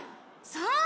そう！